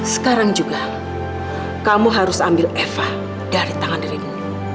sekarang juga kamu harus ambil eva dari tangan darimu